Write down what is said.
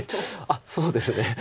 あっそうですね。